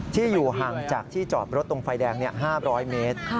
ที่อยู่ห่างจากที่จอดรถตรงไฟแดง๕๐๐เมตร